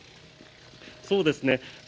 そうですね。